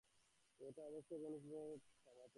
এটা অবশ্যই এবং অবিলম্বে থামাতে হবে।